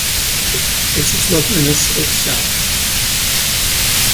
It is loveliness itself.